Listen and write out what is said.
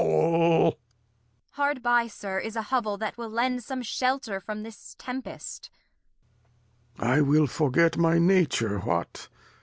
Lear. I will forget my Nature, what